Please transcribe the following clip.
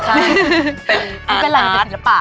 ทำงานเคยเคยจัดแล้วปะ